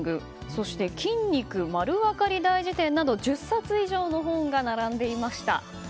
そして「筋肉まるわかり大辞典」など１０冊以上の本が並んでいました。